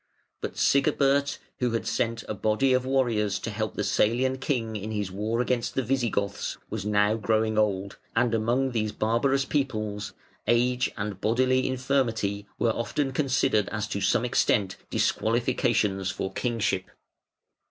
But Sigebert, who had sent a body of warriors to help the Salian king in his war against the Visigoths, was now growing old, and among these barbarous peoples age and bodily infirmity were often considered as to some extent disqualifications for kingship.